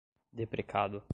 deprecado